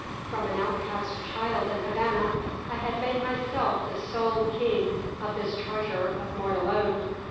From an outcast child in Havana I had made myself the sole king of this treasure of Mortallone.